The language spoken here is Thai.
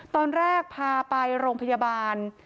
ตอนแรกพาไปโรงพยาบาล